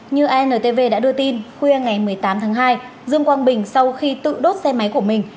như antv đã đưa tin khuya ngày một mươi tám tháng hai dương quang bình sau khi tự đốt xe máy của mình